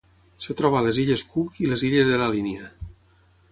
Es troba a les Illes Cook i les Illes de la Línia.